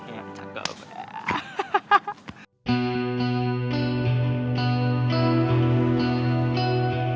yaudah ya ya takut ya